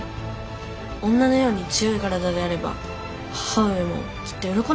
女のように強い体であれば母上もきっと喜んでくれると思います！